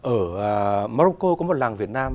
ở morocco có một làng việt nam